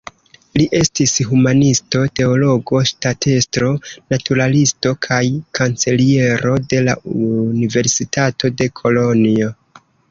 Li estis humanisto, teologo, ŝtatestro, naturalisto kaj kanceliero de la Universitato de Kolonjo.